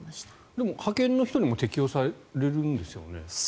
でも、派遣の人にも適用されるんですよね。